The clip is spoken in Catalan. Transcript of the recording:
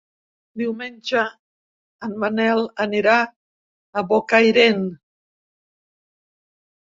Diumenge en Manel anirà a Bocairent.